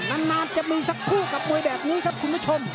นานจะมีสักคู่กับมวยแบบนี้ครับคุณผู้ชม